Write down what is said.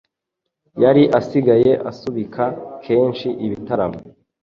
yari asigaye asubika kenshi ibitaramo